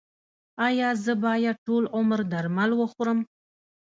ایا زه باید ټول عمر درمل وخورم؟